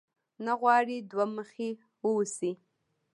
نه غواړې دوه مخی واوسې؟